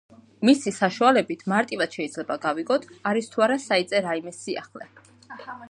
მისი საშუალებით მარტივად შეიძლება გავიგოთ არის თუ არა საიტზე რაიმე სიახლე.